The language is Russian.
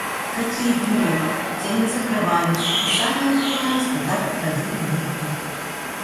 Какие были, те не закрывались и сами открывались, когда проходили мимо их.